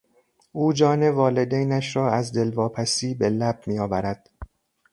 او جان والدینش را از دلواپسی به لب میآورد.